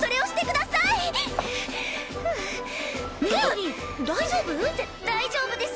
だ大丈夫です。